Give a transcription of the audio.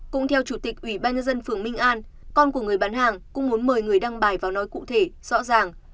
cũng theo chủ tịch ủy ban nhân dân phường minh an con của người bán hàng cũng muốn mời người đăng bài vào nói cụ thể rõ ràng